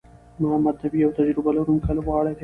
محمد نبي یو تجربه لرونکی لوبغاړی دئ.